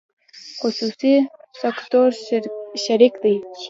خصوصي سکتور شریک دی